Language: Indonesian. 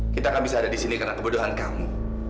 kita kan bisa ada di sini karena kebodohan kamu